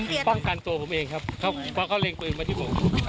พี่ป้องกันโปรบผมเองครับเพราะเขาเล่นปืนมาที่ที่นุก